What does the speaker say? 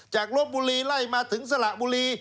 จากรถบุรีไล่มาถึงสระบุรี